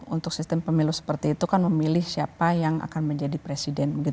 untuk sistem pemilu seperti itu kan memilih siapa yang akan menjadi presiden